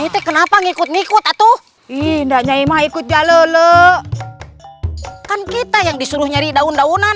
itu kenapa ngikut ngikut atuh indahnya imah ikut jalur kan kita yang disuruh nyari daun daunan